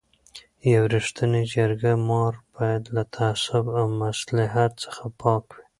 یو رښتینی جرګه مار باید له تعصب او مصلحت څخه پاک وي.